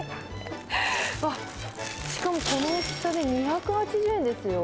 わっ、しかもこの大きさで２８０円ですよ。